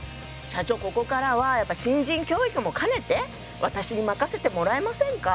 社長ここからはやっぱ新人教育も兼ねて私に任せてもらえませんか？